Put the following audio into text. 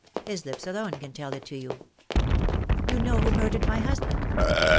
His lips alone can tell it to you." "You know who murdered my husband?"